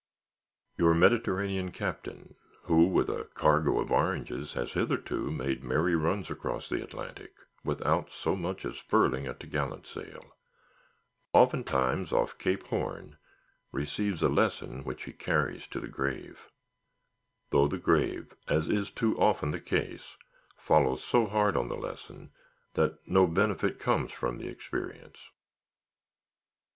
Your Mediterranean captain, who with a cargo of oranges has hitherto made merry runs across the Atlantic, without so much as furling a t' gallant sail, oftentimes, off Cape Horn, receives a lesson which he carries to the grave; though the grave—as is too often the case—follows so hard on the lesson that no benefit comes from the experience.